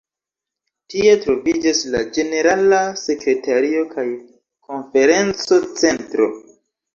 Tie troviĝas la ĝenerala sekretario kaj konferenco-centro.